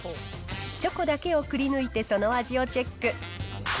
チョコだけをくりぬいてその味をチェック。